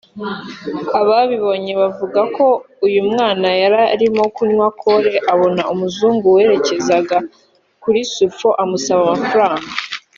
Ababibonye bavuga ko uyu mwana yari arimo kunywa kore yabona umuzungu werekezaga kuri Sulfo amusaba amafaranga